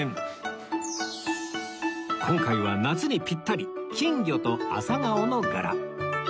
今回は夏にピッタリ金魚とアサガオの柄